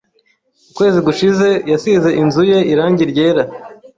Ukwezi gushize yasize inzu ye irangi ryera.